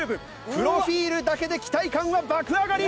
プロフィールだけで期待感は爆上がり！